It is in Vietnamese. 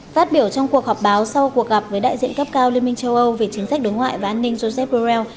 phát biểu trong cuộc họp báo sau cuộc gặp với đại diện cấp cao liên minh châu âu về chính sách đối ngoại và an ninh joseph borrell